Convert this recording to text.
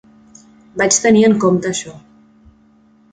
Vaig tenir en compte això.